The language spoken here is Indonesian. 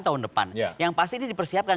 tahun depan yang pasti ini dipersiapkan